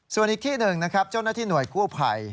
ส่วนอีกที่หนึ่งนะครับเจ้าหน้าที่หน่วยกู้ภัย